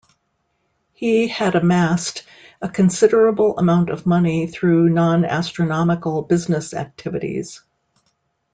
He had amassed a considerable amount of money through non-astronomical business activities.